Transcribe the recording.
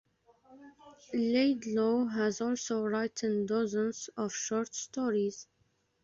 Laidlaw has also written dozens of short stories.